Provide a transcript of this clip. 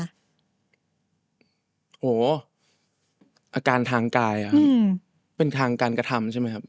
โอ้โหอาการทางกายเป็นทางการกระทำใช่ไหมครับ